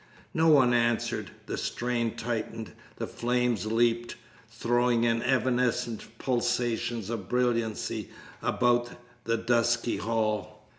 No one answered. The strain tightened. The flames leapt, throwing evanescent pulsations of brilliancy about the dusky hall.